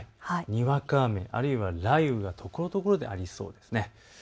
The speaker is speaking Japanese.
にわか雨、あるいは雷雨がところどころでありそうです。